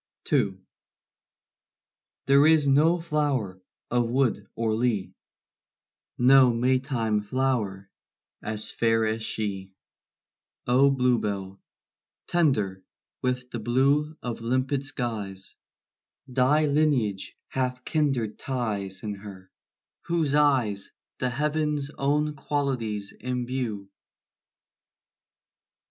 II. There is no flower of wood or lea, No Maytime flower, as fair as she: O bluebell, tender with the blue Of limpid skies, Thy lineage hath kindred ties In her, whose eyes The heav'n's own qualities imbue.